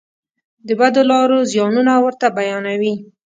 د بدو لارو زیانونه ورته بیانوي.